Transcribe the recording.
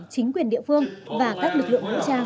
chính quyền địa phương và các lực lượng vũ trang